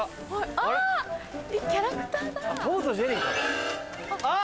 あ！キャラクターだ！あっ！